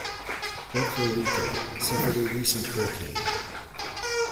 Puerto Rico suffered a recent hurricane.